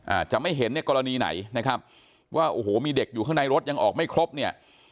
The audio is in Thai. อาจจะไม่เห็นในกรณีไหนนะครับว่าโอ้โหมีเด็กอยู่ข้างในรถยังออกไม่ครบเนี่ย